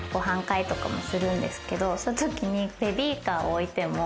そういう時に。